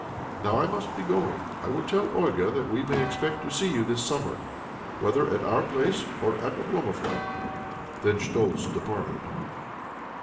Now I must be going. I will tell Olga that we may expect to see you this summer, whether at our place or at Oblomovka." Then Schtoltz departed.